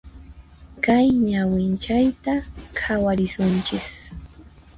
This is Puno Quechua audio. Kay ñawinchayta khawarisunchis.